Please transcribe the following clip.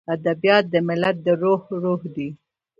ادبیات د ملت د روح روح دی.